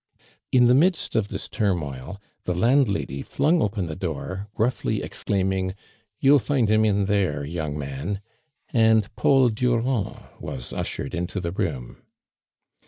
In the midst of this turmoil, the landlady flung open the door, gruffly exclaiming: "You'll find him in there, young man," and Paul Durand was ushered into the room.